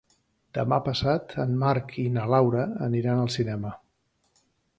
Demà passat en Marc i na Laura aniran al cinema.